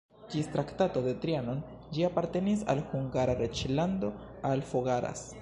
Ĝis Traktato de Trianon ĝi apartenis al Hungara reĝlando, al Fogaras.